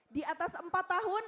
di atas empat tahun